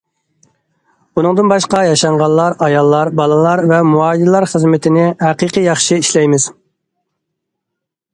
بۇنىڭدىن باشقا، ياشانغانلار، ئاياللار، بالىلار ۋە مۇھاجىرلار خىزمىتىنى ھەقىقىي ياخشى ئىشلەيمىز.